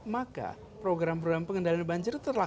maka program program pengendalian banjir itu bisa jalan